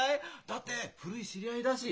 だって古い知り合いだし。